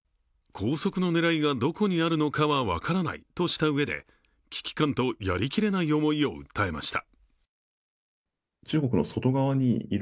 拘束の狙いがどこにあるのかは分からないとしたうえで危機感とやりきれない思いを訴えました。